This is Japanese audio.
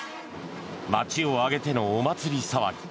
街を挙げてのお祭り騒ぎ。